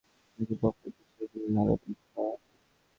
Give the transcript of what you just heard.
DSLR camera থাকলে নাকি profile picture তুলে ভালো লাইক পাওয়া যায়।